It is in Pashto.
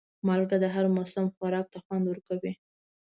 مالګه د هر موسم خوراک ته خوند ورکوي.